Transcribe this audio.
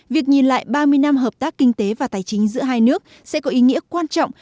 việc nhìn lại ba mươi năm hợp tác kinh tế và tài chính giữa hai nước sẽ có ý nghĩa quan trọng